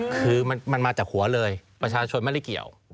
คือมันมาจากหัวเลยประชาชนไม่ได้เกี่ยว